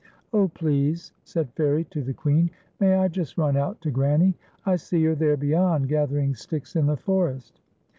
" Oh, please," said Fairie to the Queen, " may I just run out to Granny.' I see her there beyond, gathering sticks in the forest."